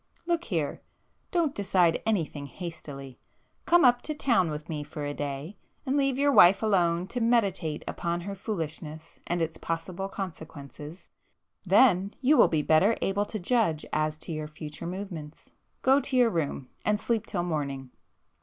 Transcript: Look here—don't decide anything hastily,—come up to town with me for a day, and leave your wife alone to meditate upon her foolishness and its possible consequences,—then you will be better able to judge as to your future movements. Go to your room, and sleep till morning."